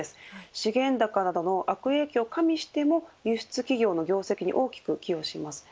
資源高などの悪影響を加味しても輸出企業の業績に大きく寄与します。